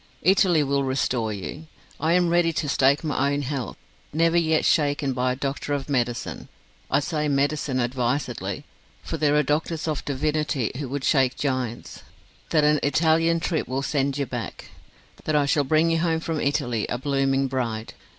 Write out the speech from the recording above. Italy will restore you. I am ready to stake my own health never yet shaken by a doctor of medicine: I say medicine advisedly, for there are doctors of divinity who would shake giants: that an Italian trip will send you back that I shall bring you home from Italy a blooming bride.